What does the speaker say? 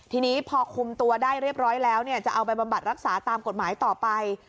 ทีนี้พอคุมตัวได้เรียบร้อยแล้วจะเอาไปบำบัดรักษาตามกฎหมายต่อไป